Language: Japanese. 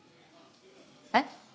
えっ？